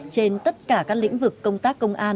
trên tất cả các lĩnh vực công tác công an